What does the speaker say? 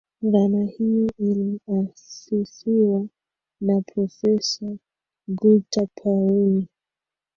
Dhana hiyo iliasisiwa na profesa Gunter Pauli